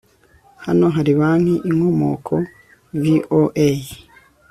Hano hari banki InkomokoVOA